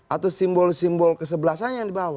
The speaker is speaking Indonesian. atau simbol simbol kesebelasannya yang dibawa